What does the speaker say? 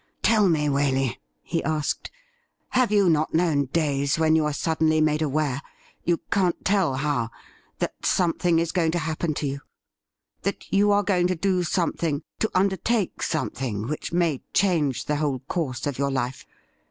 ' Tell me, Waley,' he asked, ' have you not known days when you are suddenly made aware — you can't tell how — that something is going to happen to you — that you are going to do something, to undertake something, which may change the. whole course of your life